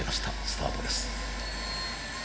スタートです。